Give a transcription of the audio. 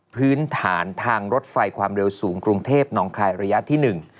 พื้นฐานทางรถไฟความเร็วสูงกรุงเทพหนองคายระยะที่หนึ่ง